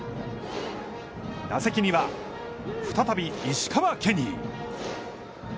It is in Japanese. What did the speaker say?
打席には、再び石川ケニー。